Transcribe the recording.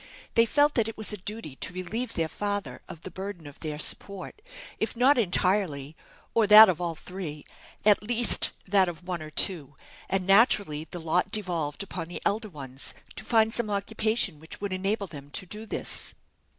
They felt that it was a duty to relieve their father of the burden of their support, if not entirely, or that of all three, at least that of one or two; and, naturally, the lot devolved upon the elder ones to find some occupation which would enable them to do this.